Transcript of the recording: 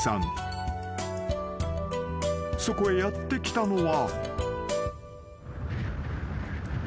［そこへやって来たのは］